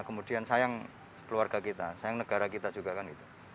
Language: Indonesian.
kemudian sayang keluarga kita sayang negara kita juga kan itu